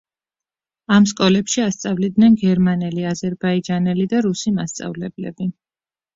ამ სკოლებში ასწავლიდნენ გერმანელი, აზერბაიჯანელი და რუსი მასწავლებლები.